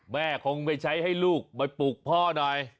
แม่คงไม่ใช้ให้ลูกมาปลุกพ่อหน่อย